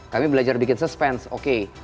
kami belajar bikin suspense oke